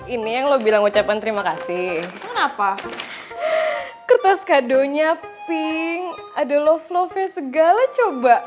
ini yang lo bilang ucapan terima kasih kenapa kertas kadonya pink ada love love nya segala coba